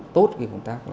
phục vụ tốt